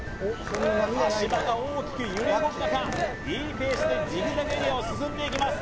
足場が大きく揺れ動く中いいペースでジグザグエリアを進んでいきます